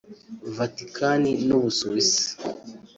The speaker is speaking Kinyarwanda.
Vatican n’u Busuwisi